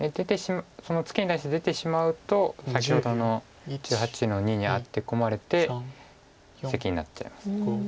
そのツケに対して出てしまうと先ほどの１８の二にアテ込まれてセキになっちゃいます。